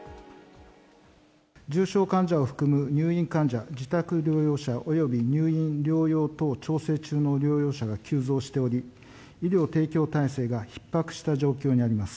重症患者を含む入院患者、自宅療養者および入院療養等調整中の療養者が急増しており、医療提供体制がひっ迫した状況にあります。